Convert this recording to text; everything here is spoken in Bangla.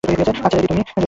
আচ্ছা, রেডি তুমি?